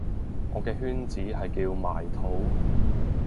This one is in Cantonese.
我嘅圈子係叫埋土